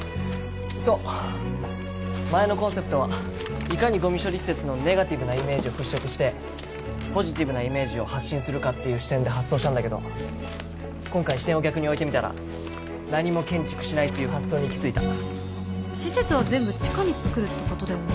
そう前のコンセプトはいかにゴミ処理施設のネガティブなイメージを払拭してポジティブなイメージを発信するかっていう視点で発想したんだけど今回視点を逆に置いてみたら何も建築しないっていう発想に行き着いた施設は全部地下に作るってことだよね？